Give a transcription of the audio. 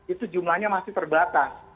itu jumlahnya masih terbatas